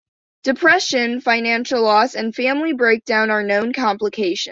Depression, financial loss, and family breakdown are known complications.